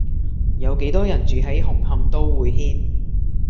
有幾多人住喺紅磡都會軒